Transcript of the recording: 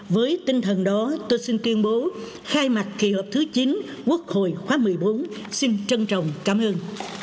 với tinh thần đó tôi xin tuyên bố khai mạc kỳ họp thứ chín quốc hội khóa một mươi bốn xin trân trọng cảm ơn